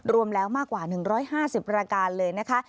รวมแล้วมากกว่า๑๕๐รายการเลยนะคะ